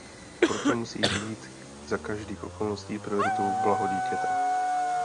Proto musí být za každých okolností prioritou blaho dítěte.